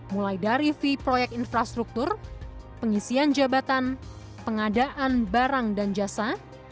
mulai dari v proyek infrastruktur pengisian jabatan pengadaan barang dan jasa